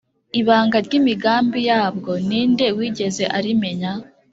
Ibanga ry’imigambi yabwo, ni nde wigeze arimenya?